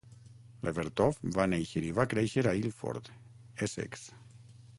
Levertov va néixer i va créixer a Ilford, Essex.